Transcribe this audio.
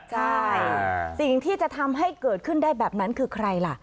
ใช่สิ่งที่จะทำให้เกิดขึ้นได้แบบนั้นคือใครล่ะ